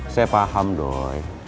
saya paham doi